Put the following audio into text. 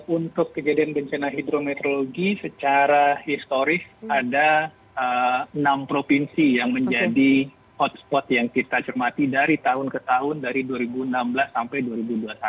untuk kejadian bencana hidrometeorologi secara historis ada enam provinsi yang menjadi hotspot yang kita cermati dari tahun ke tahun dari dua ribu enam belas sampai dua ribu dua puluh satu